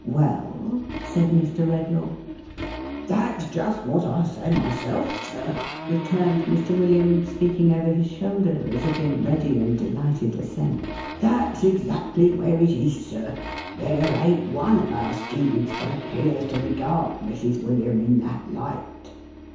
"Well? "said Mr. Redlaw. " That's just what I say myself, sir," returned Mr. William, speaking over his shoulder, as if in ready and delighted assent. " That is exactly where it is, sir ! There ain't one of our students but appears to regard Mrs. William in that light.